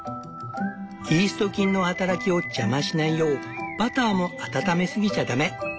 イースト菌の働きを邪魔しないようバターも温めすぎちゃダメ。